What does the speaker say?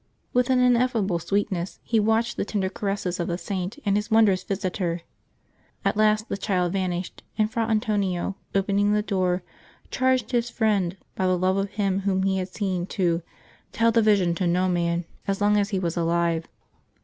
With an ineffable sweetness he watched the tender caresses of the Saint and his wondrous Visitor. At last the Child vanished, and Fra Antonio, opening the door, charged his friend, by the love of Him ^¥llom he had seen, to tell the vision to no June 14] LIVES OF TEE SAINTS 217 man" as long as he was alive.